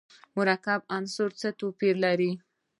مرکب له عنصر سره څه توپیر لري.